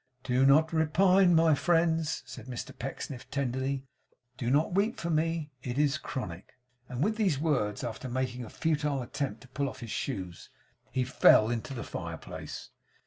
'Do not repine, my friends,' said Mr Pecksniff, tenderly. 'Do not weep for me. It is chronic.' And with these words, after making a futile attempt to pull off his shoes, he fell into the fireplace.